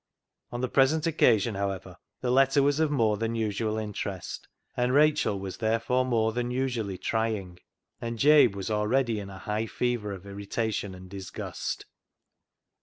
On the present occasion, however, the letter was of more than usual interest, and Rachel was therefore more than usually trying, and Jabe was already in a high fever of irritation and disgust.